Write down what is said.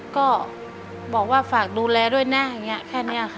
ก็บอกว่าฝากดูแลด้วยแน่แค่นี้ค่ะ